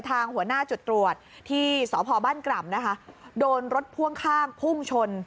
ทางหัวหน้าจุดตรวจที่สพบ้านกร่ำนะคะโดนรถพ่วงข้างพุ่งชน